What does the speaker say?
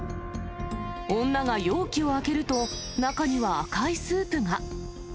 女が容器を開けると、中には赤いスープが。